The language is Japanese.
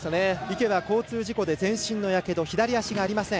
池は交通事故で全身のやけど左足がありません。